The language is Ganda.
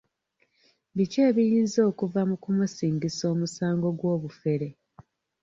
Biki ebiyinza okuva mu kumusingisa omusango gw'obufere.